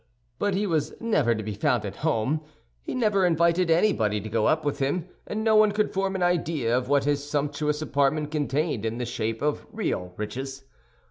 But he was never to be found at home; he never invited anybody to go up with him, and no one could form an idea of what his sumptuous apartment contained in the shape of real riches.